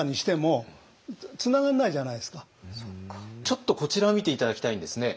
ちょっとこちらを見て頂きたいんですね。